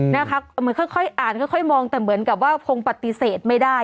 นะคะมันค่อยค่อยอ่านค่อยค่อยมองแต่เหมือนกับว่าพงปฏิเสธไม่ได้